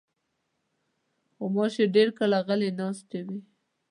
غوماشې ډېر کله غلې ناستې وي.